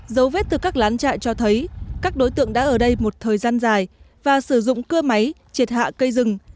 dấu vết từ các lán trại cho thấy các đối tượng đã ở đây một thời gian dài và sử dụng cưa máy triệt hạ cây rừng